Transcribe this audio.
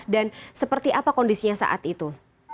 dan seperti apa kondisinya saat itu